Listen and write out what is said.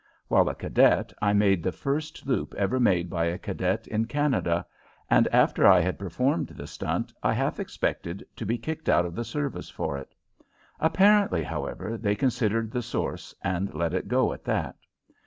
While a cadet I made the first loop ever made by a cadet in Canada, and after I had performed the stunt I half expected to be kicked out of the service for it. Apparently, however, they considered the source and let it go at that.